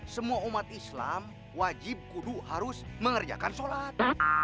semua umat islam wajib kudu harus mengerjakan sholat